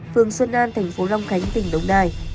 phường xuân an tp long khánh tỉnh đồng nai